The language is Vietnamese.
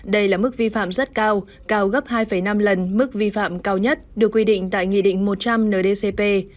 đây là mức vi phạm rất cao cao gấp hai năm lần mức vi phạm cao nhất được quy định tại nghị định một trăm linh ndcp